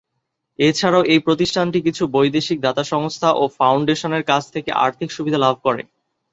এছাড়াও এই প্রতিষ্ঠানটি কিছু বৈদেশিক দাতা সংস্থা ও ফাউন্ডেশনের কাছ থেকে আর্থিক সুবিধা লাভ করে।